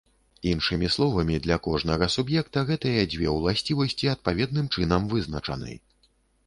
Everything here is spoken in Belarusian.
Іншымі словамі, для кожнага суб'екта гэтыя дзве ўласцівасці адпаведным чынам вызначаны.